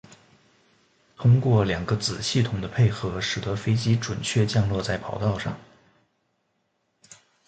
通过两个子系统的配合使得飞机准确降落在跑道上。